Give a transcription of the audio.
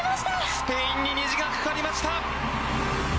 スペインに虹がかかりました。